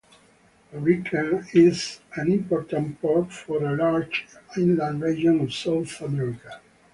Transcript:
Arica is an important port for a large inland region of South America.